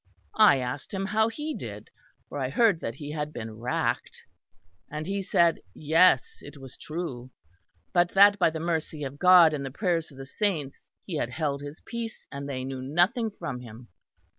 I asked him how he did, for I heard that he had been racked; and he said yes, it was true; but that by the mercy of God and the prayers of the saints he had held his peace and they knew nothing from him.